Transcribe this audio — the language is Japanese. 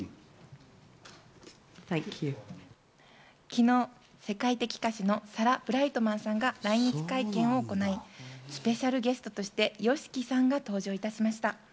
昨日、世界的歌手のサラ・ブライトマンさんが来日会見を行い、スペシャルゲストとしてＹＯＳＨＩＫＩさんが登場いたしました。